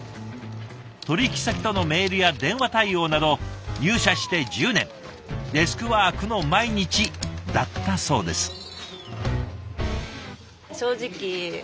取引先とのメールや電話対応など入社して１０年デスクワークの毎日だったそうです。